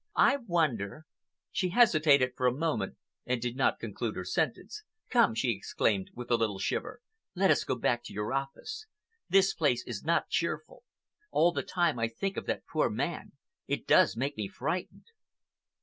I wonder—" She hesitated for a moment and did not conclude her sentence. "Come," she exclaimed, with a little shiver, "let us go back to your office! This place is not cheerful. All the time I think of that poor man. It does make me frightened."